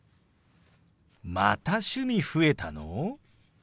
また趣味増えたの！？